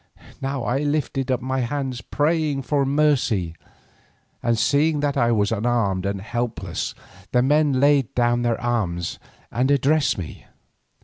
Now I lifted up my hands praying for mercy, and seeing that I was unarmed and helpless the men laid down their arms and addressed me.